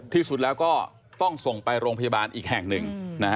ที่สุดแล้วก็ต้องส่งไปโรงพยาบาลอีกแห่งหนึ่ง